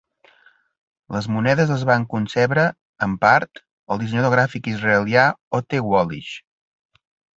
Les monedes les van concebre, en part, el dissenyador gràfic israelià Otte Wallish.